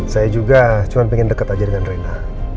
saya juga cuma pengen deket aja dengan rena